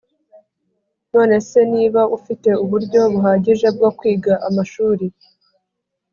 None se niba ufite uburyo buhagije bwo kwiga amashuri